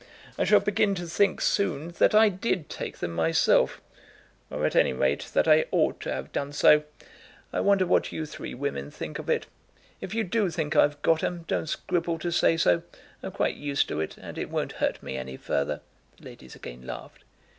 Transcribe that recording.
I shall begin to think soon that I did take them, myself, or, at any rate, that I ought to have done so. I wonder what you three women think of it. If you do think I've got 'em, don't scruple to say so. I'm quite used to it, and it won't hurt me any further." The ladies again laughed.